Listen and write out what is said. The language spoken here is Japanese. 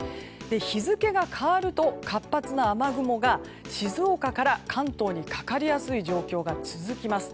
日付が変わると活発な雨雲が静岡から関東にかかりやすい状況が続きます。